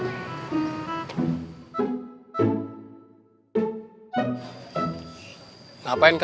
oh halo pak silahkancuq differences gue